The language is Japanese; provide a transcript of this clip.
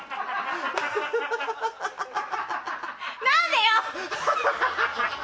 何でよ！